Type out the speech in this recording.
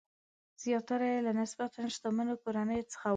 زیاتره یې له نسبتاً شتمنو کورنیو څخه ول.